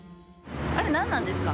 あれなんなんですか？